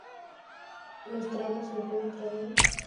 Los tramos se encuentran en Cantabria.